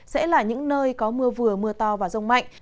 sẽ là những nơi có mưa vừa mưa to và rông mạnh